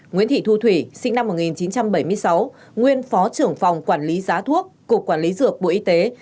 nguyễn thị thu thủy sinh năm một nghìn chín trăm bảy mươi sáu nguyên phó trưởng phòng quản lý giá thuốc cục quản lý dược bộ y tế